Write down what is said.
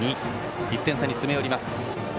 １点差に詰め寄ります。